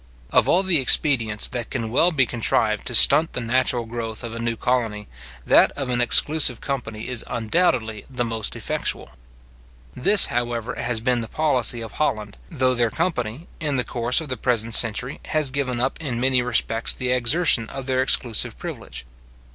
Of all the expedients that can well be contrived to stunt the natural growth of a new colony, that of an exclusive company is undoubtedly the most effectual. This, however, has been the policy of Holland, though their company, in the course of the present century, has given up in many respects the exertion of their exclusive privilege.